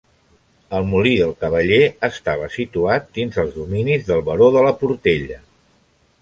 El molí del Cavaller estava situat dins els dominis del Baró de la Portella.